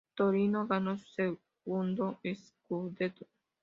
Torino ganó su segundo "scudetto".